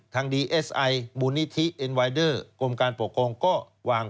ทั้งดีเอสไอบูนิธิเอ็นไวเดอร์กรมการปกครอง